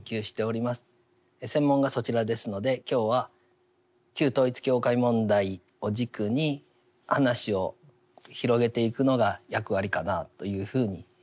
専門がそちらですので今日は旧統一教会問題を軸に話を広げていくのが役割かなというふうに思っております。